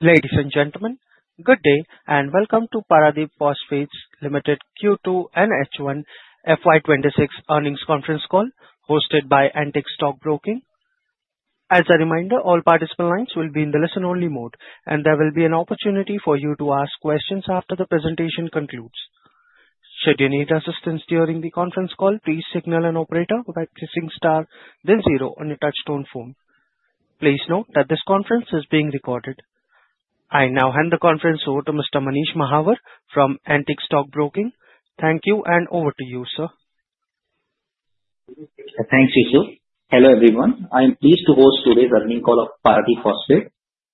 Ladies and gentlemen, good day and welcome to Paradeep Phosphates Limited Q2 and H1 FY26 earnings conference call, hosted by Antique Stock Broking. As a reminder, all participant lines will be in the listen-only mode, and there will be an opportunity for you to ask questions after the presentation concludes. Should you need assistance during the conference call, please signal an operator by pressing star, then zero on your touch-tone phone. Please note that this conference is being recorded. I now hand the conference over to Mr. Manish Mahawar from Antique Stock Broking. Thank you, and over to you, sir. Thank you, sir. Hello everyone. I am pleased to host today's earnings call of Paradeep Phosphates.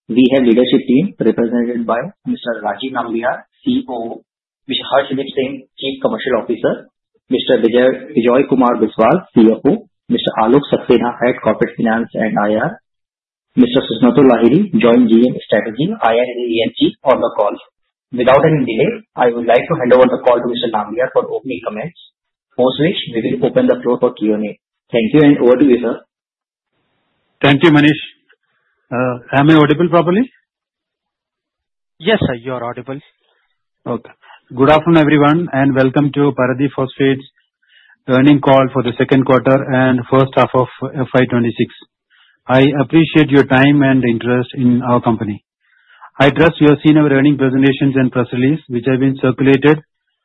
We have a leadership team represented by Mr. Rajeev Nambiar, CEO, Mr. Harshdeep Singh, Chief Commercial Officer, Mr. Bijay Kumar Biswal, CFO, Mr. Alok Saxena, Head Corporate Finance and IR, Mr. Susnato Lahiri, Joint GM, Strategy, IR and ESG on the call. Without any delay, I would like to hand over the call to Mr. Nambiar for opening comments, post which we will open the floor for Q&A. Thank you, and over to you, sir. Thank you, Manish. Am I audible properly? Yes, sir, you are audible. Okay. Good afternoon, everyone, and welcome to Paradeep Phosphates' Earnings Call for the second quarter and first half of FY26. I appreciate your time and interest in our company. I trust you have seen our earnings presentations and press releases, which have been circulated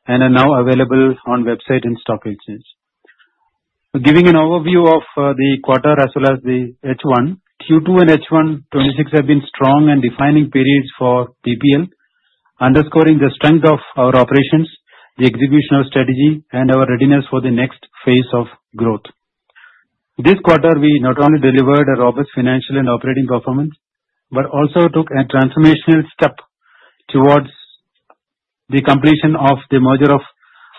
and are now available on the website and stock exchange. Giving an overview of the quarter as well as the H1, Q2 and H1 FY26 have been strong and defining periods for PPL, underscoring the strength of our operations, the execution of strategy, and our readiness for the next phase of growth. This quarter, we not only delivered a robust financial and operating performance but also took a transformational step towards the completion of the merger of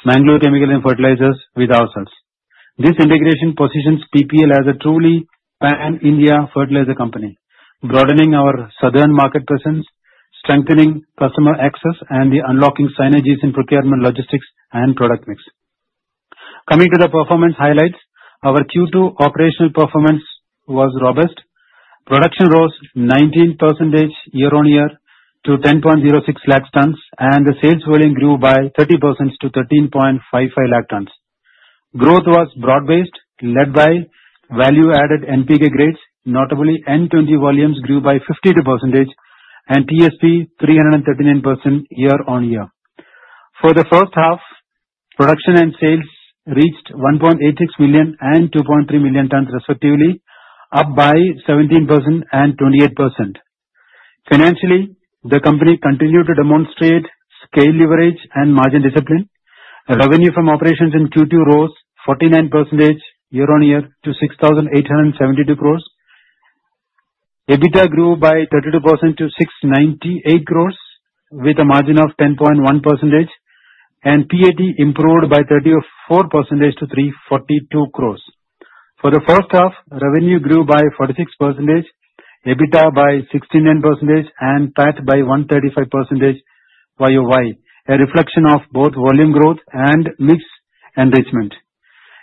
Mangalore Chemicals and Fertilizers with ourselves. This integration positions PPL as a truly pan-India fertilizer company, broadening our southern market presence, strengthening customer access, and unlocking synergies in procurement, logistics, and product mix. Coming to the performance highlights, our Q2 operational performance was robust. Production rose 19% year-on-year to 10.06 lakh tons, and the sales volume grew by 30% to 13.55 lakh tons. Growth was broad-based, led by value-added NPK grades, notably N20 volumes grew by 52% and TSP 339% year-on-year. For the first half, production and sales reached 1.86 million and 2.3 million tons, respectively, up by 17% and 28%. Financially, the company continued to demonstrate scale leverage and margin discipline. Revenue from operations in Q2 rose 49% year-on-year to 6,872 crores. EBITDA grew by 32% to 698 crores with a margin of 10.1%, and PAT improved by 34% to 342 crores. For the first half, revenue grew by 46%, EBITDA by 69%, and PAT by 135% YOY, a reflection of both volume growth and mixed enrichment.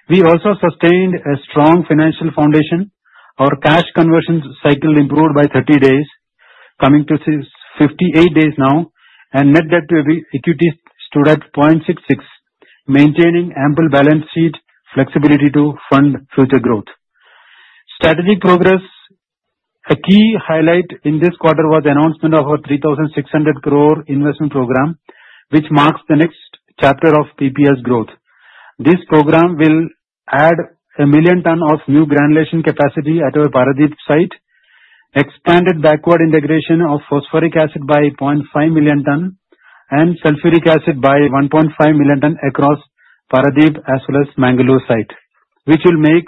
We also sustained a strong financial foundation. Our cash conversion cycle improved by 30 days, coming to 58 days now, and net debt to equity stood at 0.66, maintaining ample balance sheet flexibility to fund future growth. Strategic progress. A key highlight in this quarter was the announcement of our 3,600 crore investment program, which marks the next chapter of PPL's growth. This program will add 1 million tons of new granulation capacity at our Paradeep site, expanded backward integration of phosphoric acid by 0.5 million tons and sulfuric acid by 1.5 million tons across Paradeep as well as Mangalore site, which will make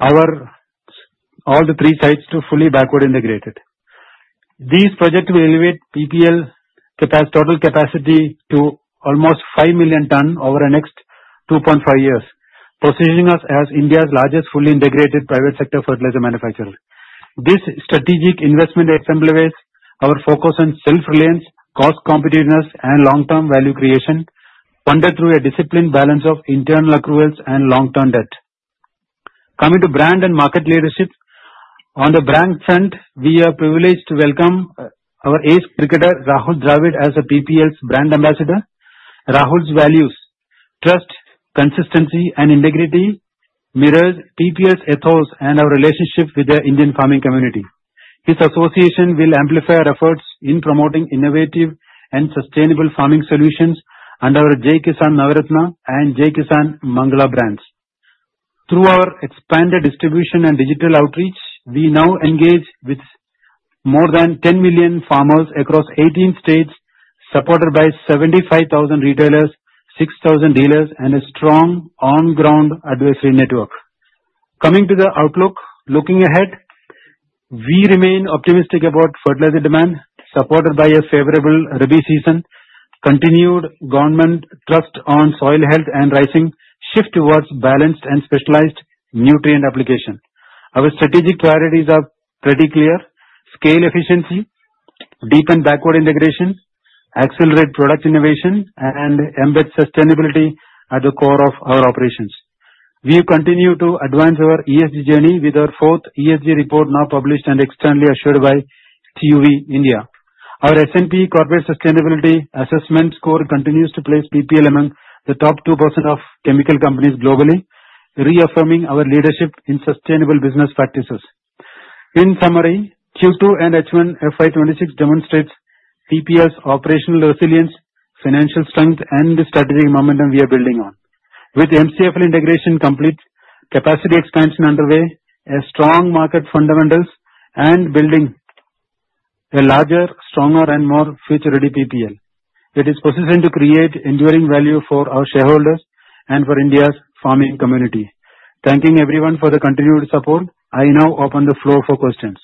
all the three sites fully backward integrated. These projects will elevate PPL total capacity to almost 5 million tons over the next 2.5 years, positioning us as India's largest fully integrated private sector fertilizer manufacturer. This strategic investment exemplifies our focus on self-reliance, cost competitiveness, and long-term value creation, funded through a disciplined balance of internal accruals and long-term debt. Coming to brand and market leadership, on the brand front, we are privileged to welcome our ace cricketer, Rahul Dravid, as PPL's brand ambassador. Rahul's values (trust, consistency, and integrity) mirror PPL's ethos and our relationship with the Indian farming community. His association will amplify our efforts in promoting innovative and sustainable farming solutions under our Jai Kisaan Navratna and Jai Kisaan Mangala brands. Through our expanded distribution and digital outreach, we now engage with more than 10 million farmers across 18 states, supported by 75,000 retailers, 6,000 dealers, and a strong on-ground advisory network. Coming to the outlook, looking ahead, we remain optimistic about fertilizer demand, supported by a favorable rabi season, continued government trust on soil health, and rising shift towards balanced and specialized nutrient application. Our strategic priorities are pretty clear: scale efficiency, deepen backward integration, accelerate product innovation, and embed sustainability at the core of our operations. We continue to advance our ESG journey with our fourth ESG report now published and externally assured by TUV India. Our S&P Corporate Sustainability Assessment score continues to place PPL among the top 2% of chemical companies globally, reaffirming our leadership in sustainable business practices. In summary, Q2 and H1 FY26 demonstrate PPL's operational resilience, financial strength, and the strategic momentum we are building on. With MCFL integration complete, capacity expansion underway, strong market fundamentals, and building a larger, stronger, and more future-ready PPL, it is positioned to create enduring value for our shareholders and for India's farming community. Thanking everyone for the continued support, I now open the floor for questions.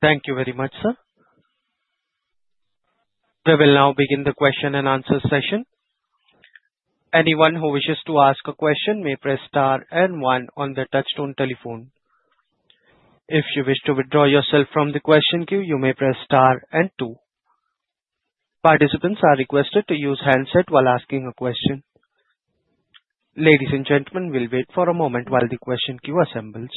Thank you very much, sir. We will now begin the Q&A session. Anyone who wishes to ask a question may press star and one on the touch-tone telephone. If you wish to withdraw yourself from the question queue, you may press star and two. Participants are requested to use handset while asking a question. Ladies and gentlemen, we'll wait for a moment while the question queue assembles.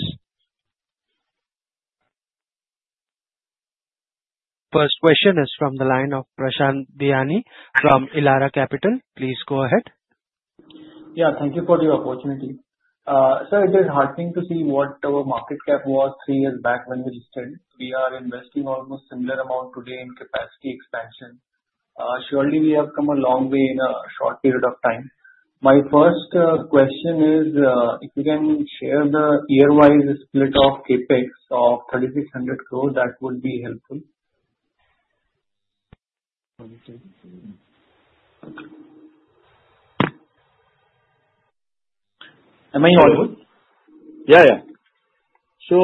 First question is from the line of Prashant Biyani from Elara Capital. Please go ahead. Yeah, thank you for the opportunity. Sir, it is heartening to see what our market cap was three years back when we listed. We are investing almost a similar amount today in capacity expansion. Surely, we have come a long way in a short period of time. My first question is, if you can share the year-wise split of CapEx of 3,600 crore, that would be helpful. Am I audible? Yeah, yeah. So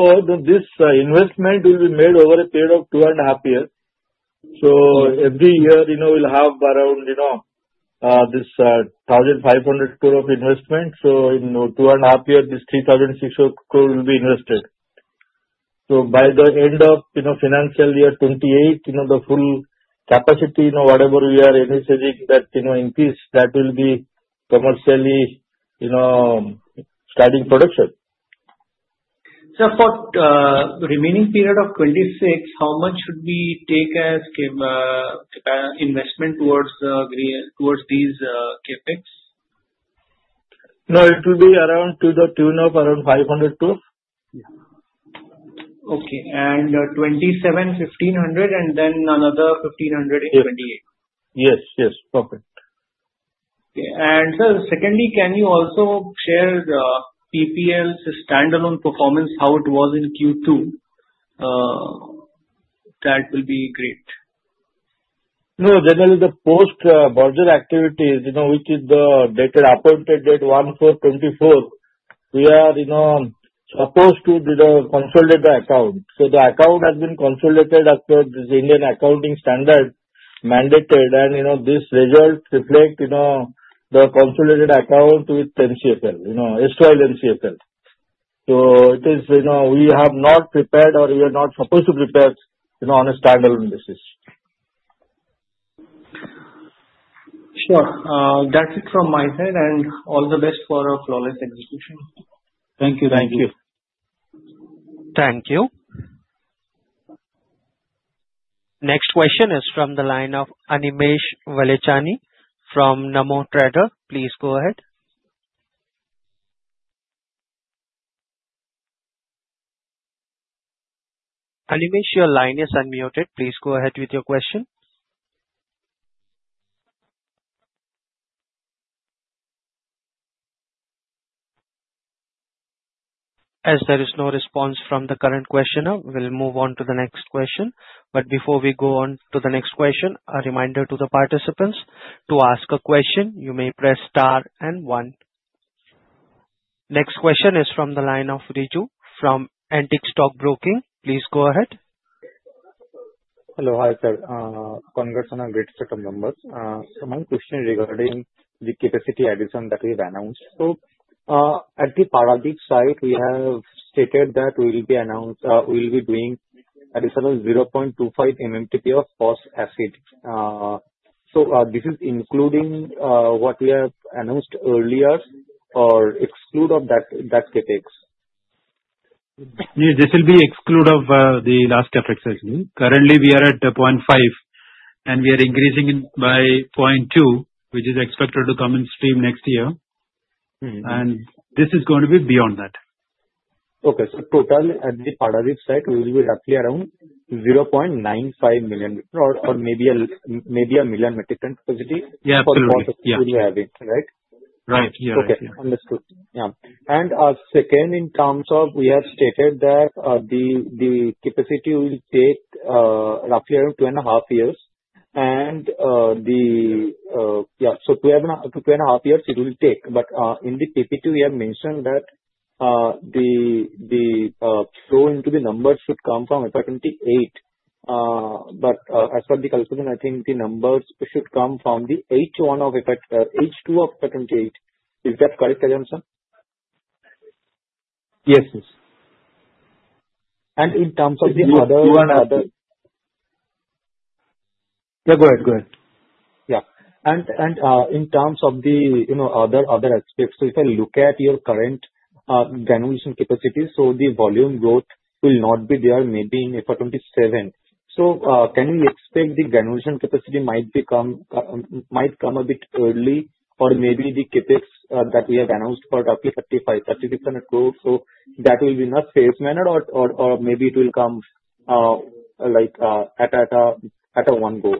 this investment will be made over a period of two and a half years. So every year, we'll have around this 1,500 crore of investment. So in two and a half years, this 3,600 crore will be invested. So by the end of financial year 2028, the full capacity, whatever we are initiating that increase, that will be commercially starting production. Sir, for the remaining period of 2026, how much should we take as investment towards these CapEx? No, it will be around to the tune of around 500 crore. Okay. And 2027, 1,500, and then another 1,500 in 2028? Yes, yes. Perfect. Okay. And sir, secondly, can you also share the PPL's standalone performance, how it was in Q2? That will be great. No, generally, the post-merger activities, which is the appointed date 1/4/2024, we are supposed to consolidate the account. So the account has been consolidated after the Indian accounting standard mandated, and this result reflects the consolidated account with MCFL. So MCFL. So we have not prepared, or we are not supposed to prepare on a standalone basis. Sure. That's it from my side, and all the best for a flawless execution. Thank you. Thank you. Thank you. Next question is from the line of Animesh Bilachani from Namo Traders. Please go ahead. Animesh, your line is unmuted. Please go ahead with your question. As there is no response from the current questioner, we'll move on to the next question. But before we go on to the next question, a reminder to the participants to ask a question. You may press star and one. Next question is from the line of Riju from Antique Stock Broking. Please go ahead. Hello, hi sir. Congrats on a great set of numbers. So my question is regarding the capacity addition that we've announced. So at the Paradeep site, we have stated that we'll be doing additional 0.25 MMTP of phosphoric acid. So this is including what we have announced earlier or exclusive of that CapEx? This will be exclusive of the last CapEx, actually. Currently, we are at 0.5, and we are increasing by 0.2, which is expected to come on stream next year. This is going to be beyond that. Okay. Total at the Paradeep site will be roughly around 0.95 million or maybe a million metric ton capacity. Yeah, absolutely. We will be having, right? Right. Yeah. Okay. Understood. Yeah. And second, in terms of, we have stated that the capacity will take roughly around two and a half years. And yeah, so two and a half years, it will take. But in the PPT, we have mentioned that the flow into the numbers should come from FY28. But as per the calculation, I think the numbers should come from the H1 or H2 of FY28. Is that correct, answer? Yes, yes. In terms of the other. Yeah, go ahead. Go ahead. Yeah. In terms of the other aspects, if I look at your current granulation capacity, the volume growth will not be there maybe in FY27. Can we expect the granulation capacity might come a bit early, or maybe the CapExf that we have announced for roughly 35-3600 crore, that will be not phase managed, or maybe it will come at a one go?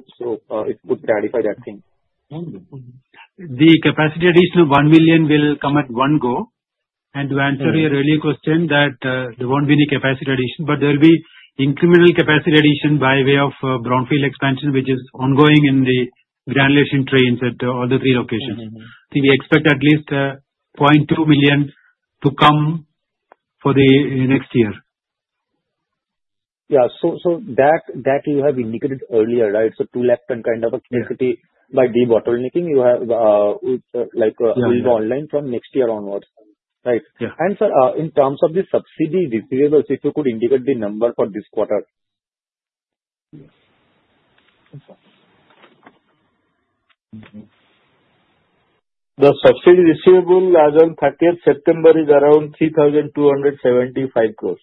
It would clarify that thing. The capacity addition of 1 million will come at one go. And to answer your earlier question, that there won't be any capacity addition, but there will be incremental capacity addition by way of brownfield expansion, which is ongoing in the granulation trains at all the three locations. I think we expect at least 0.2 million to come for the next year. Yeah. So that you have indicated earlier, right? So two lakh ton kind of a capacity by de-bottlenecking, you have with the online from next year onwards, right? And sir, in terms of the subsidy receivables, if you could indicate the number for this quarter. The subsidy receivable as of 30th September is around 3,275 crores.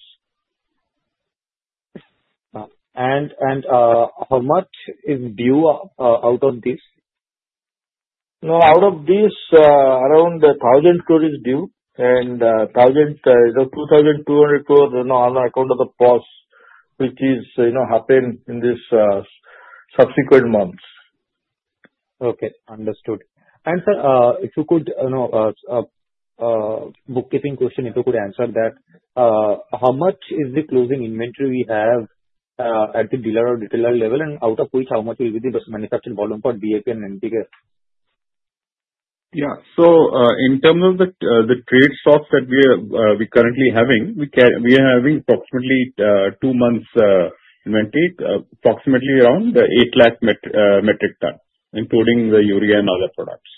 How much is due out of this? No, out of this, around 1,000 crore is due, and 1,000 is 2,200 crore on account of the POS, which has happened in these subsequent months. Okay. Understood. And sir, if you could answer a housekeeping question, how much is the closing inventory we have at the dealer or retailer level, and out of which, how much will be the manufactured volume for DAP and NPK? Yeah. So in terms of the trade stocks that we are currently having, we are having approximately two months inventory, approximately around 8 lakh metric ton, including the urea and other products.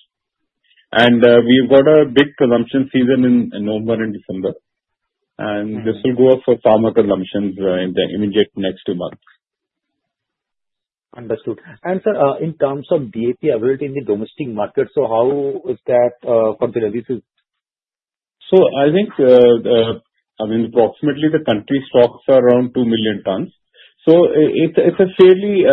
And we've got a big consumption season in November and December. And this will go up for farmer consumption in the immediate next two months. Understood. And sir, in terms of DAP availability in the domestic market, so how is that for the releases? I think, I mean, approximately the country stocks are around two million tons. It's a fairly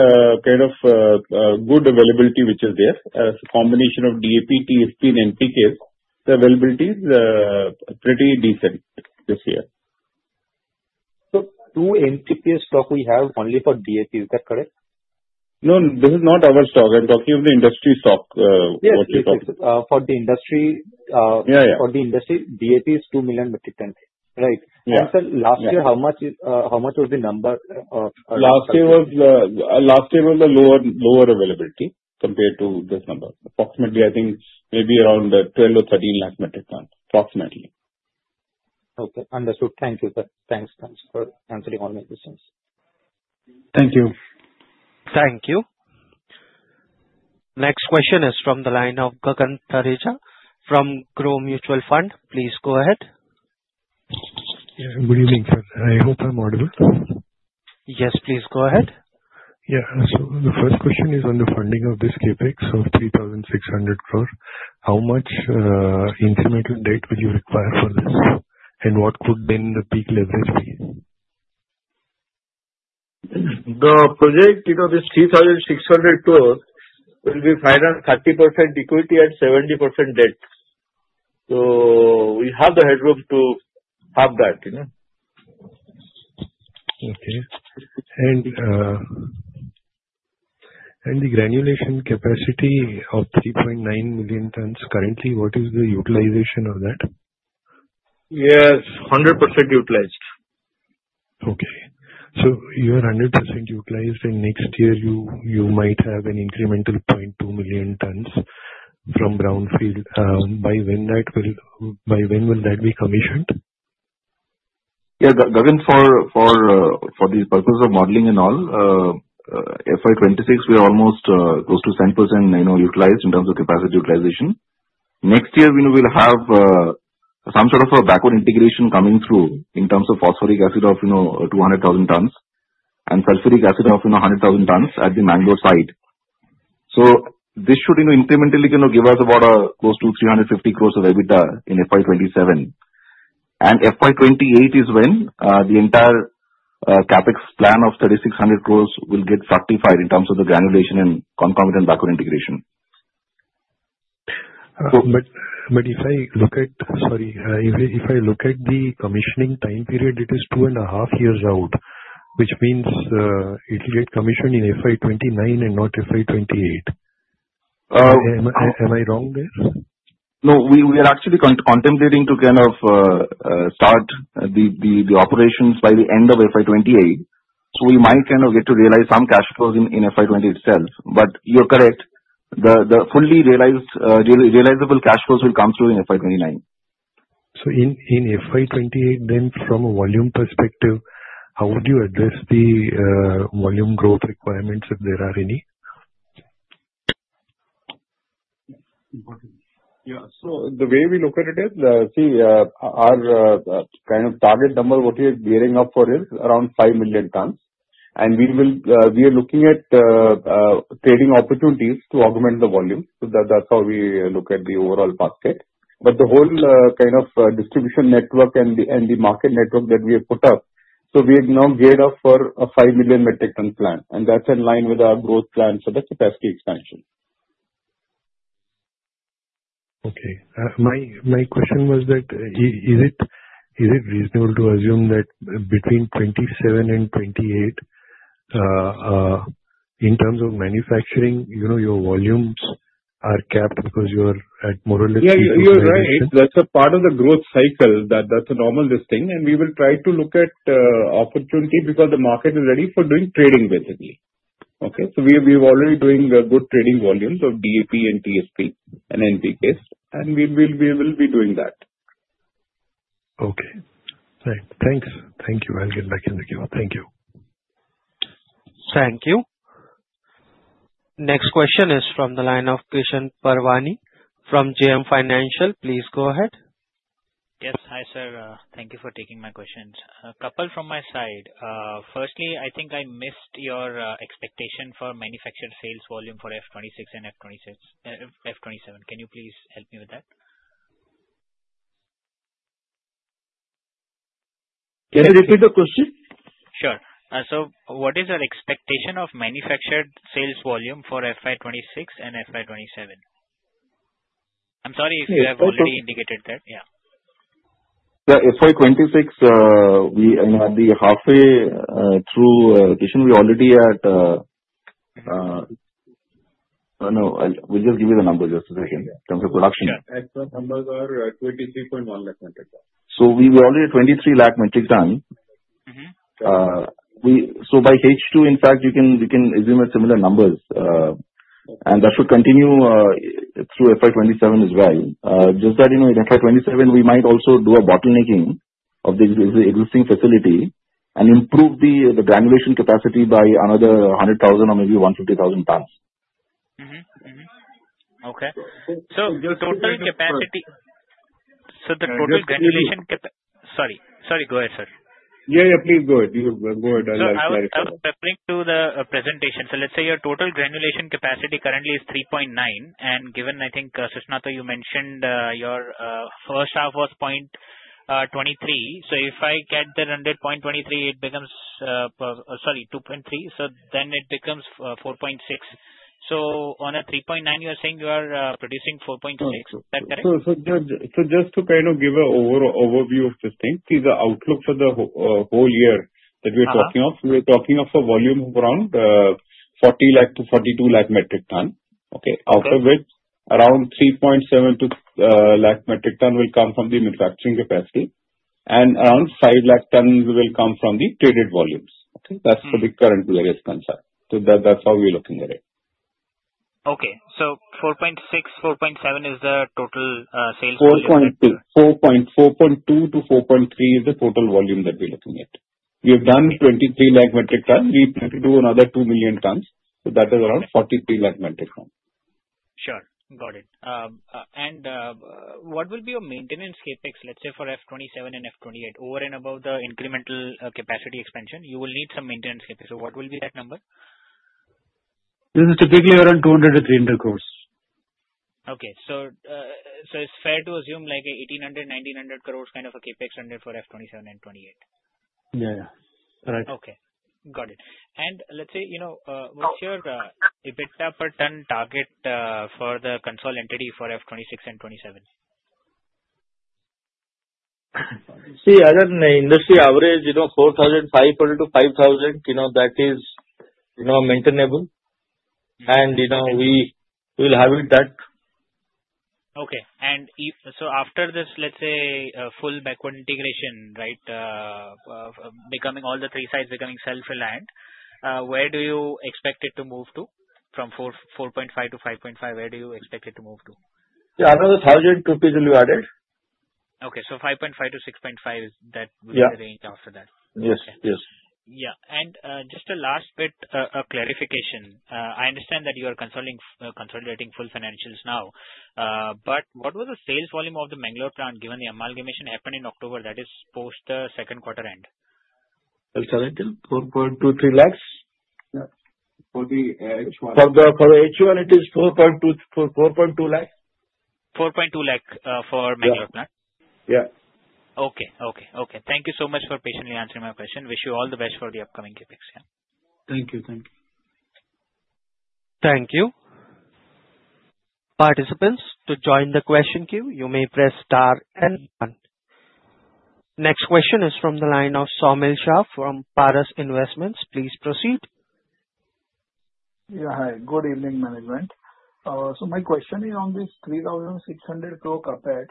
kind of good availability, which is there. It's a combination of DAP, TSP, and NPKs. The availability is pretty decent this year. 20 NPK stock we have only for DAP. Is that correct? No, this is not our stock. I'm talking of the industry stock, what you're talking about. Yes, yes. For the industry, for the industry, DAP is two million metric tons. Right. And sir, last year, how much was the number of? Last year was the lower availability compared to this number. Approximately, I think maybe around 12 or 13 lakh metric tons, approximately. Okay. Understood. Thank you, sir. Thanks for answering all my questions. Thank you. Thank you. Next question is from the line of Gagan Thareja from Groww Mutual Fund. Please go ahead. Good evening, sir. I hope I'm audible. Yes, please go ahead. Yeah. So the first question is on the funding of this CapExf of 3,600 crore. How much incremental debt will you require for this, and what could then the peak leverage be? The project of this 3,600 crore will be financed 30% equity and 70% debt. So we have the headroom to have that. Okay. The granulation capacity of 3.9 million tons, currently, what is the utilization of that? Yes, 100% utilized. Okay. So you are 100% utilized, and next year, you might have an incremental 0.2 million tons from brownfield. By when will that be commissioned? Yeah. Gagan, for the purpose of modeling and all, FY26, we are almost close to 10% utilized in terms of capacity utilization. Next year, we will have some sort of a backward integration coming through in terms of phosphoric acid of 200,000 tons and sulfuric acid of 100,000 tons at the Mangalore site. So this should incrementally give us about close to 350 crores of EBITDA in FY27. And FY28 is when the entire CapExf plan of 3,600 crores will get stratified in terms of the granulation and concomitant backward integration. But if I look at the commissioning time period, it is two and a half years out, which means it will get commissioned in FY29 and not FY28. Am I wrong there? No, we are actually contemplating to kind of start the operations by the end of FY28. So we might kind of get to realize some cash flows in FY28 itself. But you're correct. The fully realizable cash flows will come through in FY29. In FY28, then from a volume perspective, how would you address the volume growth requirements, if there are any? Yeah. So the way we look at it is, see, our kind of target number, what we are gearing up for is around 5 million tons. And we are looking at trading opportunities to augment the volume. So that's how we look at the overall basket. But the whole kind of distribution network and the market network that we have put up, so we have now geared up for a 5 million metric ton plan. And that's in line with our growth plan for the capacity expansion. Okay. My question was that, is it reasonable to assume that between 2027 and 2028, in terms of manufacturing, your volumes are capped because you are at more or less? Yeah, you're right. That's a part of the growth cycle. That's a normal this thing. And we will try to look at opportunity because the market is ready for doing trading, basically. Okay? So we are already doing good trading volumes of DAP and TSP and NPKs, and we will be doing that. Okay. Thanks. Thank you. I'll get back in the queue. Thank you. Thank you. Next question is from the line of Krishan Parwani from JM Financial. Please go ahead. Yes. Hi, sir. Thank you for taking my questions. A couple from my side. Firstly, I think I missed your expectation for manufactured sales volume for FY26 and FY27. Can you please help me with that? Can you repeat the question? Sure. So what is your expectation of manufactured sales volume for FY26 and FY27? I'm sorry if you have already indicated that. Yeah. Yeah. FY26, at the halfway through, Krishan, we are already at—no, we'll just give you the number just a second in terms of production. Yeah. At that number, we are at 23.1 lakh metric tons. So we are already at 23 lakh metric tons. So by H2, in fact, you can assume similar numbers. And that should continue through FY27 as well. Just that in FY27, we might also do a bottlenecking of the existing facility and improve the granulation capacity by another 100,000 or maybe 150,000 tons. Okay. So the total capacity. Sorry. Go ahead, sir. Yeah, yeah. Please go ahead. You go ahead. I'll clarify. I was referring to the presentation. Let's say your total granulation capacity currently is 3.9. Given, I think, Susnato, you mentioned your first half was 0.23. If I get the run rate 0.23, it becomes, sorry, 2.3. Then it becomes 4.6. On a 3.9, you are saying you are producing 4.6. Is that correct? So just to kind of give an overview of this thing, see, the outlook for the whole year that we are talking of, we are talking of a volume of around 40-42 lakh metric tons. Okay? Out of which, around 3.7 lakh metric tons will come from the manufacturing capacity. And around 5 lakh tons will come from the traded volumes. Okay? That's for the current fiscal year. So that's how we are looking at it. Okay, so 4.6, 4.7 is the total sales volume? 4.2-4.3 is the total volume that we are looking at. We have done 23 lakh metric tons. We plan to do another 2 million tons, so that is around 43 lakh metric tons. Sure. Got it. And what will be your maintenance CapExf, let's say, for FY27 and FY28, over and above the incremental capacity expansion? You will need some maintenance CapExf. So what will be that number? This is typically around 200-300 crore. Okay. So it's fair to assume like 1,800-1,900 crores kind of a CapExf rendered for FY27 and FY28? Yeah, yeah. Correct. Okay. Got it. And let's say, what's your EBITDA per ton target for the consolidated entity for FY26 and FY27? See, as an industry average, 4,500 to 5,000, that is maintainable, and we will have it that. Okay. So after this, let's say, full backward integration, right, becoming all the three sides becoming self-reliant, where do you expect it to move to? From 4.5 to 5.5, where do you expect it to move to? Yeah. Another 1,000 rupees will be added. Okay, so 5.5 to 6.5, that will be the range after that? Yes. Yes. Yeah. And just a last bit of clarification. I understand that you are consolidating full financials now. But what was the sales volume of the Mangalore plant given the amalgamation happened in October? That is post the second quarter end? I'll tell it to you. 4.23 lakhs for the H1. For the H1, it is 4.2 lakhs. 4.2 lakh for Mangalore plant? Yeah. Okay. Thank you so much for patiently answering my question. Wish you all the best for the upcoming CapExf. Yeah. Thank you. Thank you. Thank you. Participants, to join the question queue, you may press star and one. Next question is from the line of Somil Shah from Paras Investments. Please proceed. Yeah. Hi. Good evening, management. So my question is on this 3,600 crore CapExf.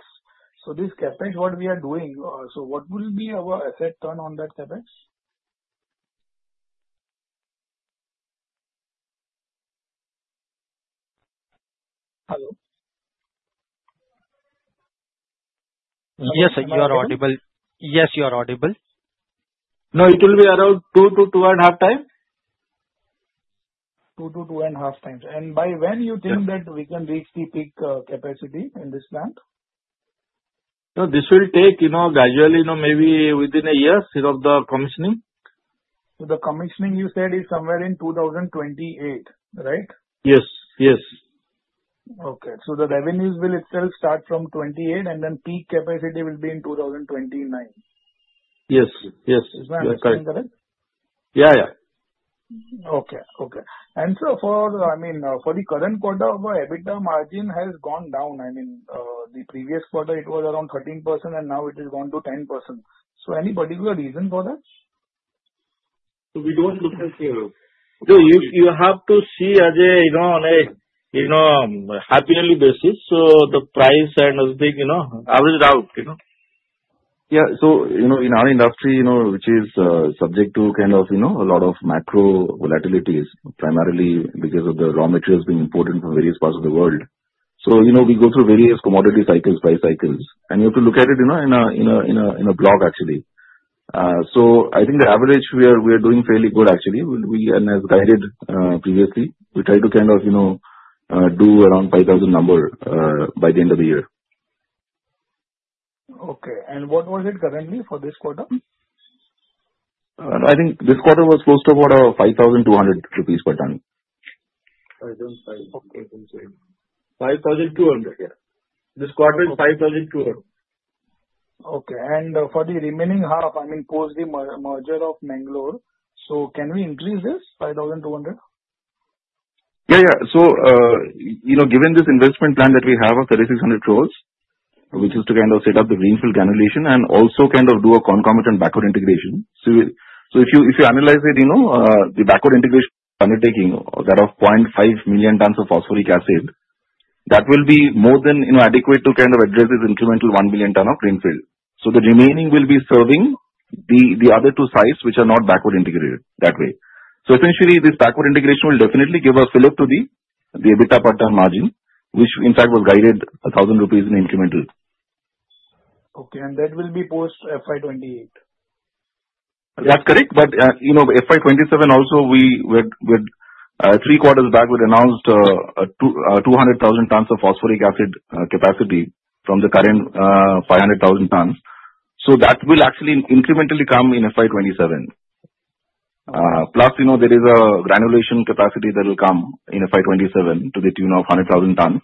So this CapExf, what we are doing, so what will be our asset turn on that CapExf? Hello? Yes, sir. You are audible. Yes, you are audible. No, it will be around 2-2.5 times. 2-2.5 times. And by when you think that we can reach the peak capacity in this plant? So this will take gradually, maybe within a year, in terms of the commissioning. So the commissioning, you said, is somewhere in 2028, right? Yes. Yes. Okay. So the revenues will itself start from 2028, and then peak capacity will be in 2029? Yes. Yes. Is my understanding correct? Yeah. Yeah. Okay. And so, I mean, for the current quarter, our EBITDA margin has gone down. I mean, the previous quarter, it was around 13%, and now it has gone to 10%. So any particular reason for that? So we don't look at—no, you have to see it on an apple-to-apple basis. So the price and everything, average it out. Yeah. So in our industry, which is subject to kind of a lot of macro volatilities, primarily because of the raw materials being imported from various parts of the world. So we go through various commodity cycles, price cycles. And you have to look at it in the long, actually. So I think the average, we are doing fairly good, actually. And as guided previously, we try to kind of do around 5,000 number by the end of the year. Okay, and what was it currently for this quarter? I think this quarter was close to about 5,200 rupees per ton. I don't see. Okay. I don't see. 5,200. Yeah. This quarter, it's 5,200. Okay. And for the remaining half, I mean, post the merger of Mangalore, so can we increase this 5,200? Yeah. Yeah. So given this investment plan that we have of 3,600 crore, which is to kind of set up the greenfield granulation and also kind of do a concomitant backward integration. So if you analyze it, the backward integration undertaking that of 0.5 million tons of phosphoric acid, that will be more than adequate to kind of address this incremental 1 million ton of greenfield. So the remaining will be serving the other two sites, which are not backward integrated that way. So essentially, this backward integration will definitely give a fillip to the EBITDA per ton margin, which, in fact, was guided 1,000 rupees incremental. Okay. And that will be post FY28? That's correct. But FY27 also, three quarters back, we announced 200,000 tons of phosphoric acid capacity from the current 500,000 tons. So that will actually incrementally come in FY27. Plus, there is a granulation capacity that will come in FY27 to the tune of 100,000 tons,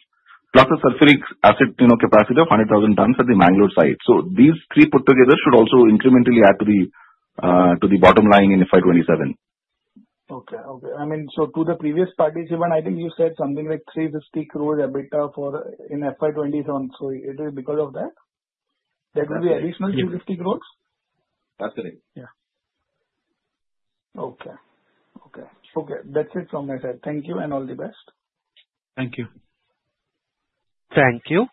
plus a sulfuric acid capacity of 100,000 tons at the Mangalore site. So these three put together should also incrementally add to the bottom line in FY27. Okay. Okay. I mean, so to the previous participant, I think you said something like 350 crores EBITDA in FY27. So it is because of that? That will be additional 250 crores? That's correct. Yeah. Okay. That's it from my side. Thank you and all the best. Thank you. Thank you.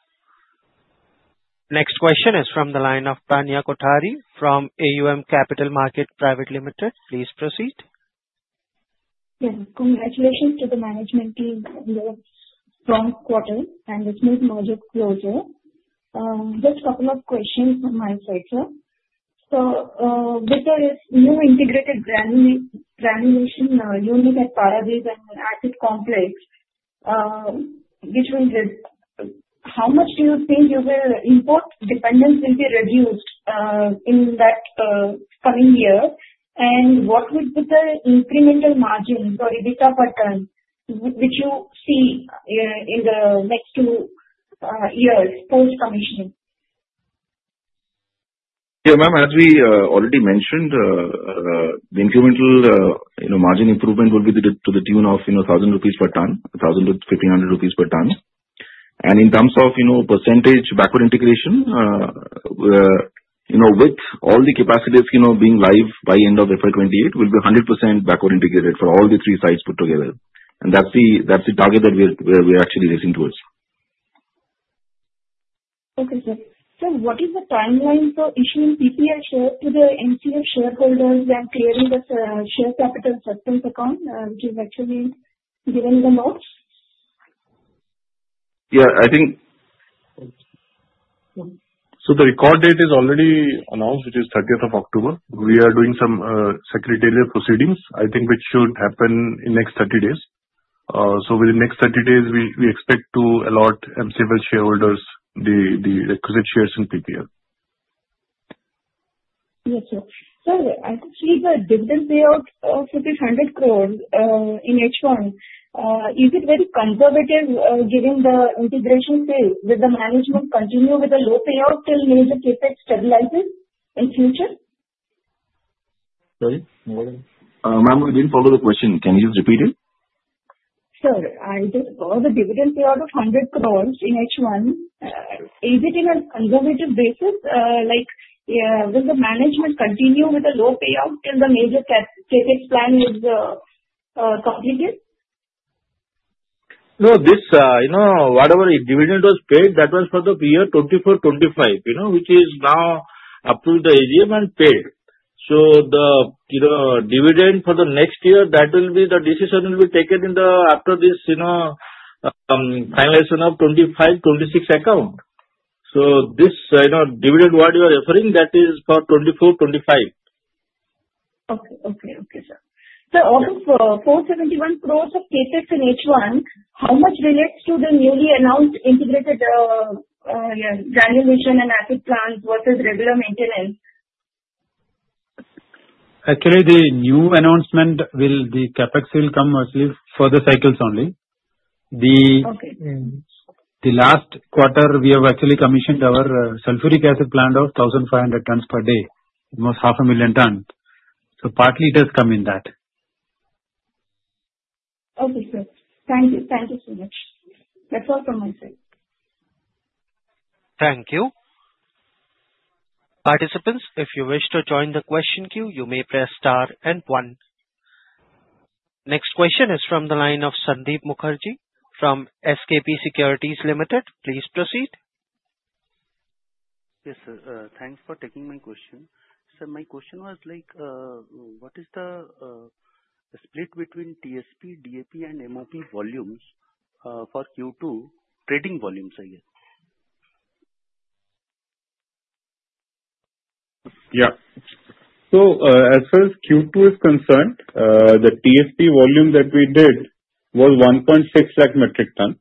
Next question is from the line of Pranaya Kothari from AUM Capital Market Private Limited. Please proceed. Yes. Congratulations to the management team on the strong quarter and this new merger closure. Just a couple of questions from my side, sir. So with this new integrated granulation unit at Paradeep and acid complex, how much do you think you will import? Dependence will be reduced in that coming year. And what would be the incremental margin or EBITDA per ton which you see in the next two years post-commissioning? Yeah. Ma'am, as we already mentioned, the incremental margin improvement will be to the tune of 1,000 rupees per ton, 1,500 rupees per ton. And in terms of percentage backward integration, with all the capacities being live by the end of FY28, we'll be 100% backward integrated for all the three sites put together. And that's the target that we are actually racing towards. Okay, so what is the timeline for issuing PPL shares to the MCF shareholders and clearing the share capital suspense account, which is actually given in the notes? Yeah. I think so the record date is already announced, which is 30th of October. We are doing some secretarial proceedings, I think, which should happen in the next 30 days. So within the next 30 days, we expect to allot MCF shareholders the requisite shares in PPL. Yes, sir. So I think the dividend payout of 1,500 in H1, is it very conservative given the integration phase? Will the management continue with the low payout till maybe the CapExf stabilizes in the future? Sorry? Go ahead. Ma'am, we didn't follow the question. Can you just repeat it? Sir, I just saw the dividend payout of INR 100 in H1. Is it on a conservative basis? Will the management continue with the low payout till the major CapExf plan is completed? No. Whatever dividend was paid, that was for the year 2024, 2025, which is now up to the AGM and paid. So the dividend for the next year, that will be the decision will be taken after this finalization of 2025, 2026 account. So this dividend, what you are referring, that is for 2024, 2025. Okay, sir, so out of INR 471 crores of CapExf in H1, how much relates to the newly announced integrated granulation and acid plants versus regular maintenance? Actually, the new announcement, the CapExf will come mostly for the cycles only. The last quarter, we have actually commissioned our Sulfuric Acid plant of 1,500 tons per day, almost 500,000 tons, so partly, it has come in that. Okay, sir. Thank you. Thank you so much. That's all from my side. Thank you. Participants, if you wish to join the question queue, you may press star and one. Next question is from the line of Sandeep Mukherjee from SKP Securities Limited. Please proceed. Yes, sir. Thanks for taking my question. Sir, my question was, what is the split between TSP, DAP, and MOP volumes for Q2 trading volumes? Yeah. So as far as Q2 is concerned, the TSP volume that we did was 1.6 lakh metric tons.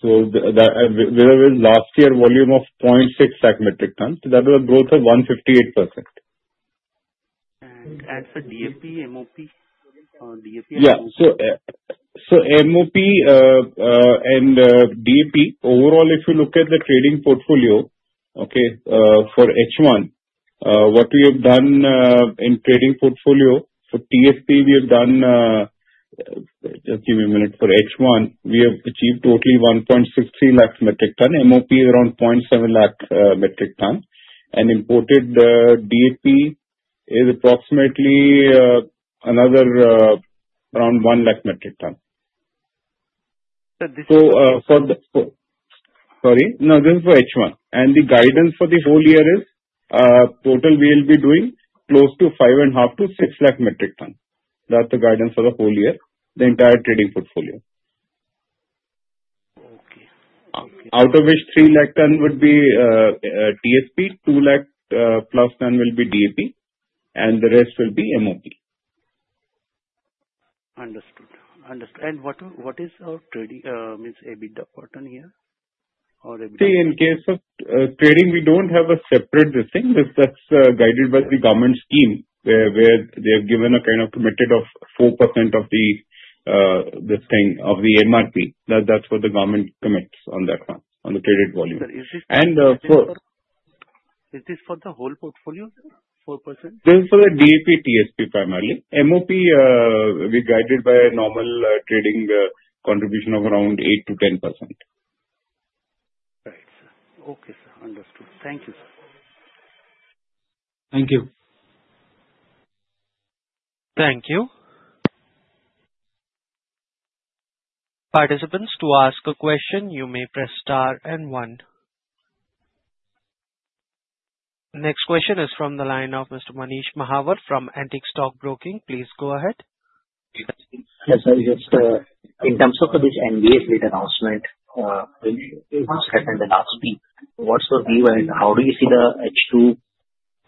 So there was last year volume of 0.6 lakh metric tons. So that was a growth of 158%. As for DAP, MOP? Yeah. So MOP and DAP, overall, if you look at the trading portfolio, okay, for H1, what we have done in trading portfolio for TSP, we have done, just give me a minute, for H1, we have achieved totally 1.63 lakh metric tons. MOP is around 0.7 lakh metric tons. And imported DAP is approximately another around 1 lakh metric tons. So for the, sorry. No, this is for H1. And the guidance for the whole year is total we will be doing close to 5.5-6 lakh metric tons. That's the guidance for the whole year, the entire trading portfolio. Out of which 3 lakh tons would be TSP, 2 lakh plus tons will be DAP, and the rest will be MOP. Understood. Understood. And what is our trailing EBITDA per ton here? Or EBITDA? See, in case of trading, we don't have a separate this thing. That's guided by the government scheme where they have given a kind of commitment of 4% of the this thing, of the MRP. That's what the government commits on that one, on the traded volume. Is this for the whole portfolio, 4%? This is for the DAP, TSP primarily. MOP, we guided by a normal trading contribution of around 8% to 10%. Right. Okay, sir. Understood. Thank you, sir. Thank you. Thank you. Participants, to ask a question, you may press star and one. Next question is from the line of Mr. Manish Mahawar from Antique Stock Broking. Please go ahead. Yes, sir. Just in terms of this NBA's late announcement, once again, in the last week, what's your view and how do you see the H2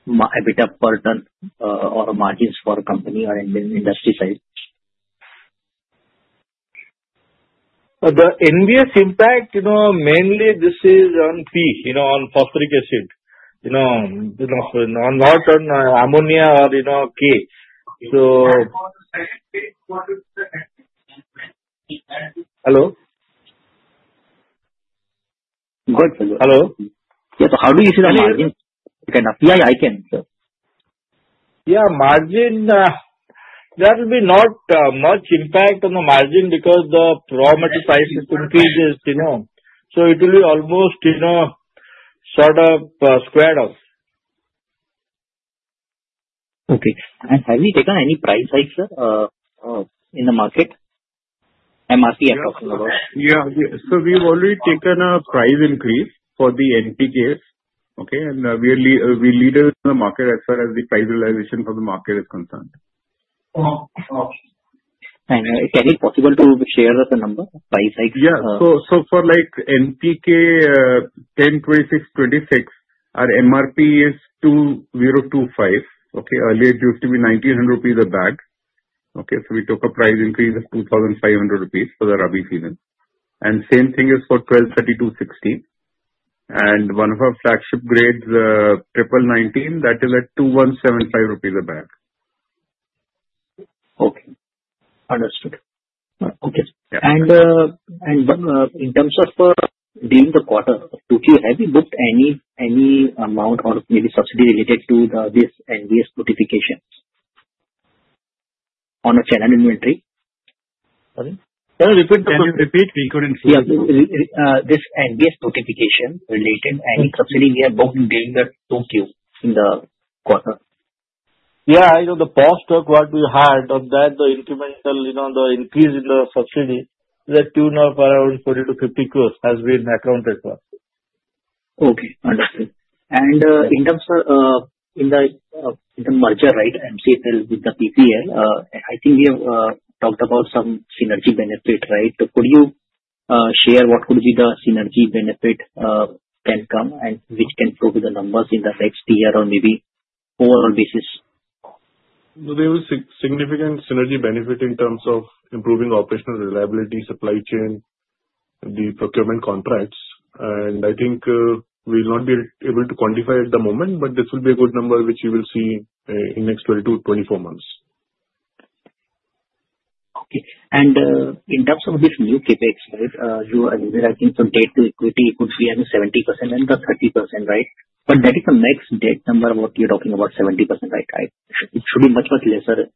EBITDA per ton or margins for a company or industry size? The NBA's impact, mainly, this is on P, on phosphoric acid, not on ammonia or K. So. Hello? Good. Hello. Yeah. So how do you see the margin? Kind of PI, I can answer. Yeah. Margin, there will be not much impact on the margin because the raw material price increases. So it will be almost sort of squared off. Okay. And have you taken any price hikes, sir, in the market? MRP, I'm talking about. Yeah, so we've already taken a price increase for the NP case, okay? And we're leaders in the market as far as the price realization for the market is concerned. Is it possible to share the number, price hikes? Yeah. So for NPK 10:26:26, our MRP is ₹2,025. Okay? Earlier, it used to be ₹1,900 a bag. Okay? So we took a price increase of ₹125 for the Rabi season. And same thing is for 12:32:16. And one of our flagship grades, the 1919, that is at ₹2,175 a bag. Okay. Understood. Okay. And in terms of during the quarter, have you booked any amount or maybe subsidy related to this NBA's notifications on channel inventory? Sorry? Yeah. Repeat. Repeat. We couldn't see. Yeah. This NBS's notification related any subsidy we have booked during the tonnage in the quarter? Yeah. The post-quarter we had, the increase in the subsidy to the tune of around 40 to 50 crores has been accounted for. Okay. Understood. And in terms of in the merger, right, MCFL with the PPL, I think we have talked about some synergy benefit, right? Could you share what could be the synergy benefit can come and which can prove the numbers in the next year or maybe overall basis? No, there was significant synergy benefit in terms of improving operational reliability, supply chain, the procurement contracts. And I think we will not be able to quantify at the moment, but this will be a good number which you will see in the next 22 to 24 months. Okay. And in terms of this new CapExf, right, you are using, I think, some debt to equity could be at the 70% and the 30%, right? But that is a max debt number what you're talking about, 70%, right? It should be much, much lesser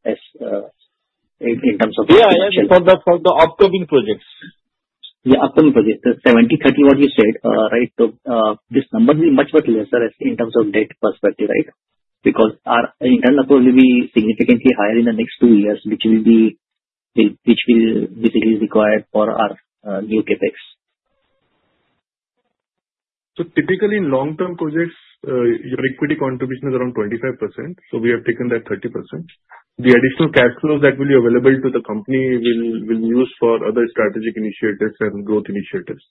in terms of. Yeah. For the upcoming projects. Yeah. Upcoming projects. 70%, 30%, what you said, right? So this number will be much, much lesser in terms of debt perspective, right? Because our internal will be significantly higher in the next two years, which will be basically required for our new CapExf. So typically, in long-term projects, your equity contribution is around 25%. So we have taken that 30%. The additional cash flows that will be available to the company will be used for other strategic initiatives and growth initiatives,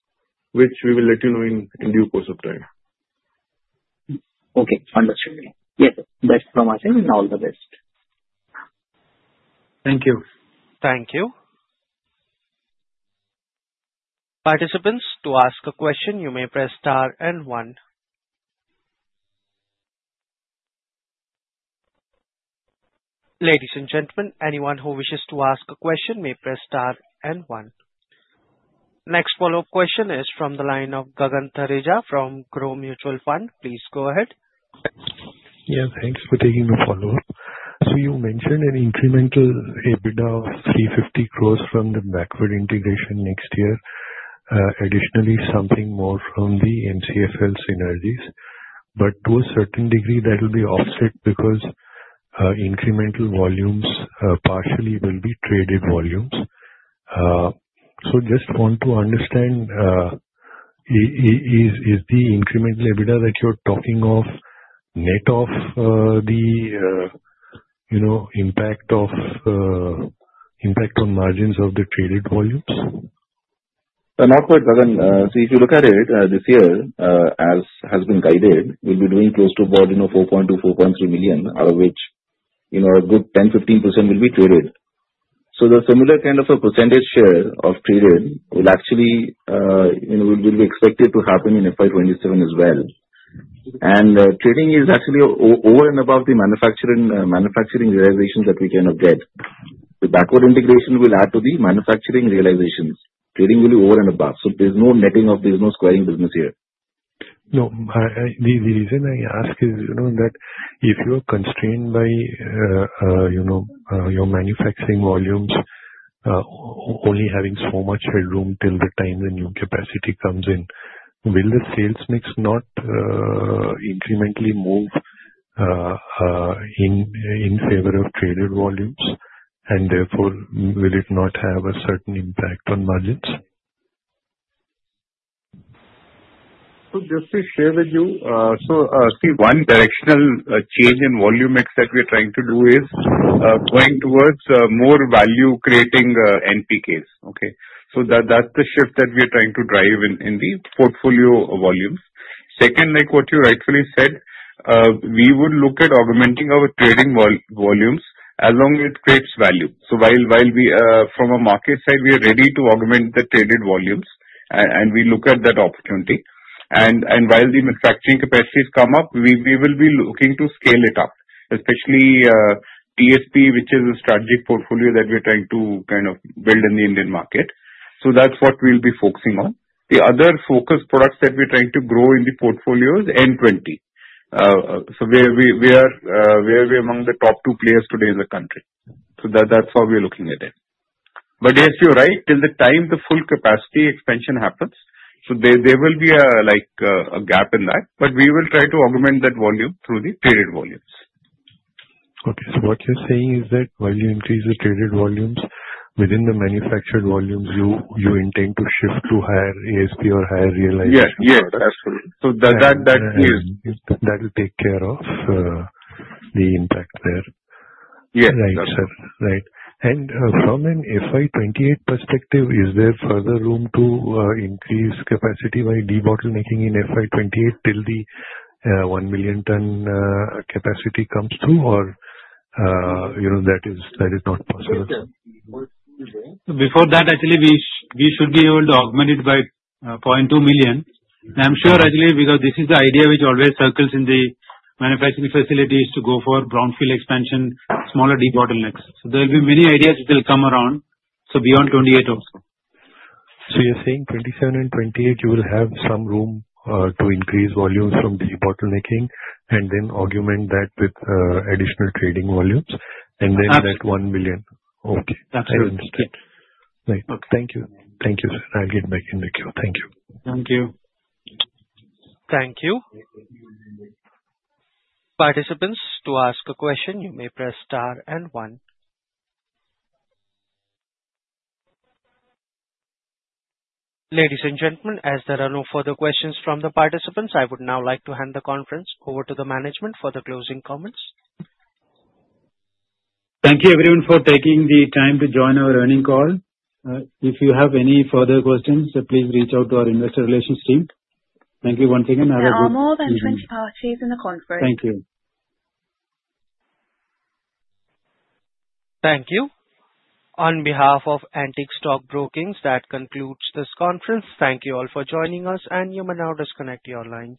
which we will let you know in due course of time. Okay. Understood. Yes, sir. Best from our side, and all the best. Thank you. Thank you. Participants, to ask a question, you may press star and one. Ladies and gentlemen, anyone who wishes to ask a question may press star and one. Next follow-up question is from the line of Gagan Thareja from Groww Mutual Fund. Please go ahead. Yeah. Thanks for taking the follow-up. So you mentioned an incremental EBITDA of 350 crores from the backward integration next year. Additionally, something more from the MCFL synergies. But to a certain degree, that will be offset because incremental volumes partially will be traded volumes. So just want to understand, is the incremental EBITDA that you're talking of net of the impact on margins of the traded volumes? Not for Gagan. See, if you look at it this year, as has been guided, we'll be doing close to a margin of 4.2 to 4.3 million, out of which a good 10 to 15% will be traded. So the similar kind of a percentage share of traded will actually be expected to happen in FY27 as well. And trading is actually over and above the manufacturing realizations that we kind of get. The backward integration will add to the manufacturing realizations. Trading will be over and above. So there's no netting off. There's no squaring business here. No. The reason I ask is that if you are constrained by your manufacturing volumes only having so much headroom till the time the new capacity comes in, will the sales mix not incrementally move in favor of traded volumes? And therefore, will it not have a certain impact on margins? Just to share with you, so see, one directional change in volume mix that we're trying to do is going towards more value-creating NPK. Okay? That's the shift that we are trying to drive in the portfolio volumes. Second, like what you rightfully said, we would look at augmenting our trading volumes as long as it creates value. While from a market side, we are ready to augment the traded volumes, and we look at that opportunity. While the manufacturing capacities come up, we will be looking to scale it up, especially TSP, which is a strategic portfolio that we're trying to kind of build in the Indian market. That's what we'll be focusing on. The other focus products that we're trying to grow in the portfolio is N20. We are among the top two players today in the country. So that's how we're looking at it. But yes, you're right. Till the time the full capacity expansion happens, so there will be a gap in that. But we will try to augment that volume through the traded volumes. Okay. So what you're saying is that while you increase the traded volumes, within the manufactured volumes, you intend to shift to higher ASP or higher realization? Yeah. Yeah. Absolutely. So that will take care of the impact there. Yes. Right, sir. Right. And from an FY28 perspective, is there further room to increase capacity by debottlenecking in FY28 till the 1-million-ton capacity comes through, or that is not possible? Before that, actually, we should be able to augment it by 0.2 million. And I'm sure, actually, because this is the idea which always circles in the manufacturing facilities to go for brownfield expansion, smaller debottlenecks. So there will be many ideas which will come around. So beyond 28 also. So you're saying 27 and 28, you will have some room to increase volumes from the debottlenecking and then augment that with additional trading volumes, and then that 1 million. Okay. I understand. That's right. Right. Thank you. Thank you, sir. I'll get back in the queue. Thank you. Thank you. Thank you. Participants, to ask a question, you may press star and one. Ladies and gentlemen, as there are no further questions from the participants, I would now like to hand the conference over to the management for the closing comments. Thank you, everyone, for taking the time to join our earnings call. If you have any further questions, please reach out to our investor relations team. Thank you once again. There are more than 20 parties in the conference. Thank you. Thank you. On behalf of Antique Stock Broking, that concludes this conference. Thank you all for joining us, and you may now disconnect your lines.